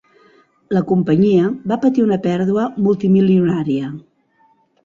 La companyia va patir una pèrdua multimilionària.